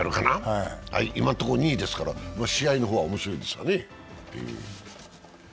今のところ２位ですから、試合の方はおもしろいですね。